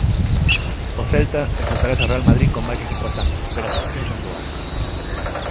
O Celta enfrontarase ao Real Madrid con baixas importantes, pero as sensacións son boas.